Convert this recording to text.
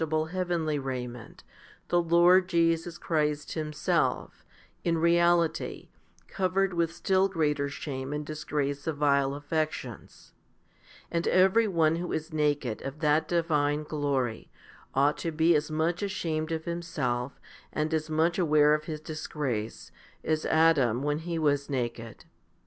163 164 FIFTY SPIRITUAL HOMILIES heavenly raiment, the Lord Jesus Christ Himself, in reality, covered with still greater shame and disgrace of vile affec tions ; and every one who is naked of that divine glory ought to be as much ashamed of himself and as much aware of his disgrace, as Adam was when he was naked.